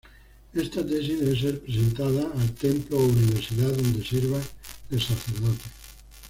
Esta tesis debe ser presentada al templo o universidad donde sirva el sacerdote.